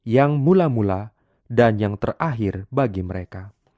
yang mula mula dan yang terakhir bagi mereka